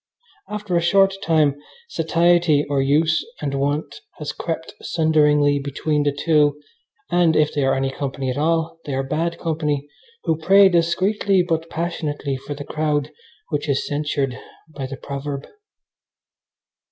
After a short time satiety or use and wont has crept sunderingly between the two, and, if they are any company at all, they are bad company, who pray discreetly but passionately for the crowd which is censured by the proverb.